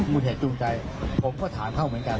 เหตุจูงใจผมก็ถามเขาเหมือนกัน